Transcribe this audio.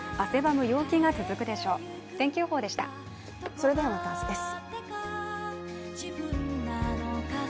それではまた明日です。